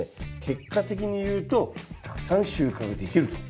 結果的にいうとたくさん収穫できると。